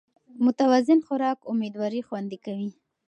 متوازن خوراک امېدواري خوندي کوي